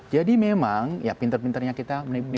jadi memang ya pintar pintarnya kita negosiasi